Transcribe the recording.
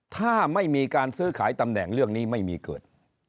ถ้าไม่มีการซื้อขายตำแหน่งเรื่องนี้ไม่มีเกิด